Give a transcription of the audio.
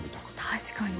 確かに。